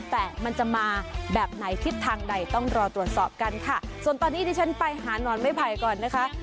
แต่มันจะมาแบบไหนทิศทางใดต้องรอตรวจสอบกันค่ะส่วนตอนนี้ดิฉันไปหานอนไม่ไผ่ก่อนนะคะ